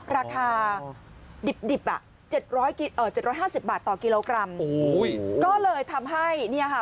ราคาดิบอ่ะ๗๕๐บาทต่อกกกแล้วก็เลยทำให้นี่ห้ะ